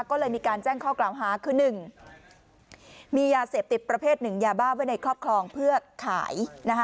ก็เลยมีการแจ้งข้อกล่าวหาคือ๑มียาเสพติดประเภทหนึ่งยาบ้าไว้ในครอบครองเพื่อขาย